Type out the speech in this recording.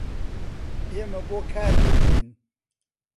ئێمە بۆ کار دەژین.